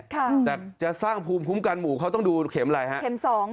แต่จะสร้างภูมิคุ้มกันหมู่เขาต้องดูเข็มอะไรฮะเข็มสอง